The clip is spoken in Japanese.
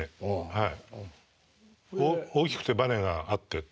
はい。